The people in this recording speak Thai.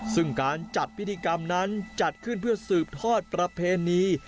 ซึ่งการจัดพิธีกรรมนั้นจัดขึ้นเพื่อสืบทอดประเพณี